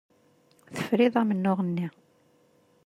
Tefriḍ amennuɣ-nni.